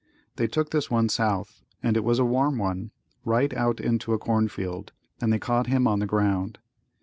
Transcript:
They took this one south, and it was a warm one, right out into a corn field, and they caught him on the ground.